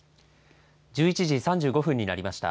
１１時３５分になりました。